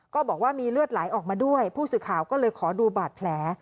ก็บอกว่ามีเลือดไหลออกมาด้วยผู้สื่อข่าวก็เลยขอดูบาดแผล